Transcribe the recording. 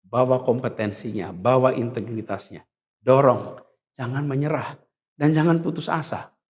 bawa kompetensinya bawa integritasnya dorong jangan menyerah dan jangan putus asa